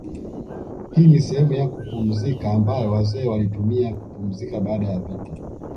Hii ni sehemu ya kupumzika ambayo wazee waliitumia kupumzika baada ya vita